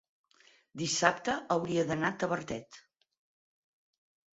dissabte hauria d'anar a Tavertet.